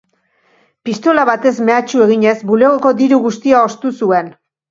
Pistola batez mehatxu eginez, bulegoko diru guztia ostu zuen.